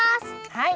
はい。